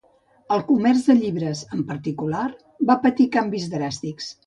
El comerç de llibres, en particular, va patir canvis dràstics.